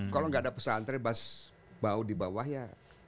kalau gak ada pesantren bahwa di bawah ya